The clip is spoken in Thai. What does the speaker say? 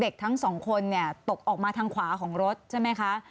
ทั้งสองคนเนี่ยตกออกมาทางขวาของรถใช่ไหมคะ